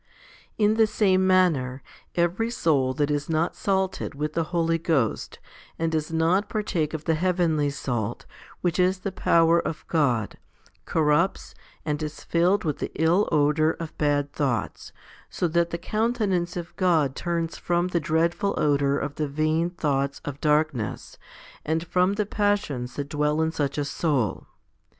In the same manner, every soul that is not salted with the Holy Ghost, and does not partake of the heavenly salt, which is the power of God, corrupts, and is filled with the ill odour of bad thoughts, so that the countenance of God turns from the dreadful odour of the vain thoughts of darkness, and from the passions that dwell in such a soul.